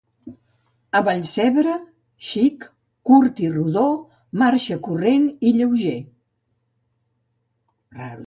A Vallcebre: Xic, Curt i Rodó, Marxa Corrent i Lleuger.